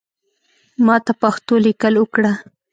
ماته پښتو لیکل اوکړه